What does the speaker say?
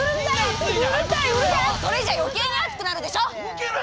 それじゃ余計に暑くなるでしょ！